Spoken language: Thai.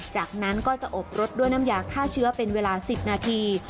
จากนั้นก็จะอบรสด้วยน้ำยาฆ่าเชื้อเป็นเวลา๑๐นาที